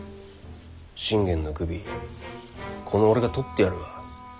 信玄の首この俺がとってやるわ。